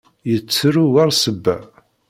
Yettru war ssebba.